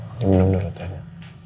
ini minumnya ratanya